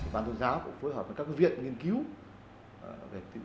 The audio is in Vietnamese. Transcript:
bàn tôn giáo cũng phối hợp với các viện nghiên cứu về tâm linh